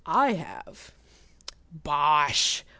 I have." "Bosh!